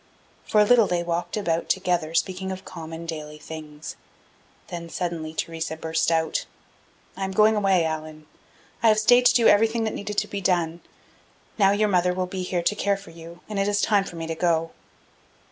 For a little they walked about together, speaking of common, daily things. Then suddenly Theresa burst out: "I am going away, Allan. I have stayed to do everything that needed to be done. Now your mother will be here to care for you, and it is time for me to go."